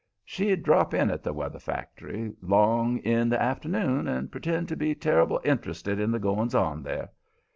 She'd drop in at the weather factory 'long in the afternoon and pretend to be terrible interested in the goings on there.